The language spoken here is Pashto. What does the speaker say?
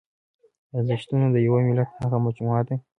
ارزښتونه د یوه ملت هغه مجموعه ده.